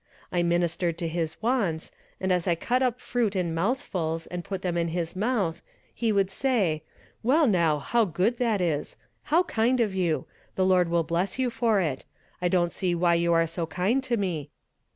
I ministered to his wants, and as I cut up fruit in mouthfuls, and put them in his mouth, he would say, 'Well, now, how good that is! How kind of you! The Lord will bless you for it. I don't see why you are so kind to me.